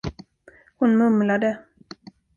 Hon mumlade.